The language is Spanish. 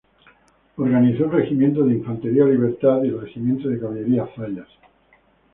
Organizó el Regimiento de Infantería Libertad y el Regimiento de Caballería Zayas.